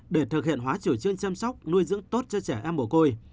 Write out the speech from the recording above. để thực hiện hóa chủ chương chăm sóc nuôi dưỡng tốt cho trẻ em mồ côi